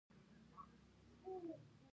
ساتونکي په مخابره خپل همکار ته غږ وکړو